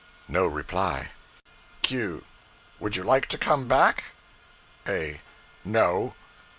No reply. Q. Would you like to come back? A. No.